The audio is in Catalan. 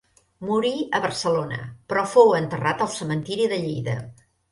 Morí a Barcelona, però fou enterrat al Cementiri de Lleida.